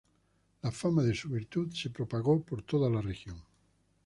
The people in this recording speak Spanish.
La fama de su virtud se propagó por toda la región.